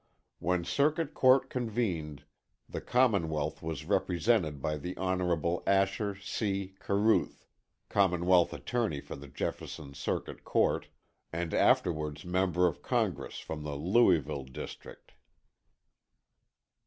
When Circuit Court convened, the Commonwealth was represented by the Honorable Asher C. Caruth, Commonwealth Attorney of the Jefferson Circuit Court, and afterwards member of Congress from the Louisville District.